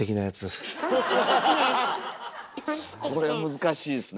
これは難しいですね。